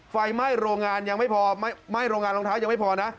ไฟไหม้โรงงานยังไม่พอไหม้โรงงานรองเท้ายังไม่พอนะ